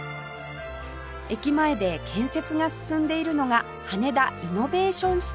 駅前で建設が進んでいるのが羽田イノベーションシティ